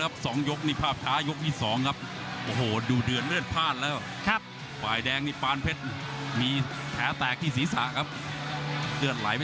อย่าถอกนะอย่าถอกนะต่อไปหัวจำก็ไม่หัวหนูแล้ว